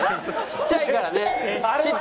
ちっちゃいから。